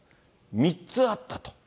３つあったと。